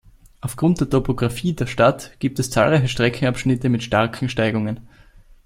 Aufgrund der Topographie der Stadt gibt es zahlreiche Streckenabschnitte mit starken Steigungen.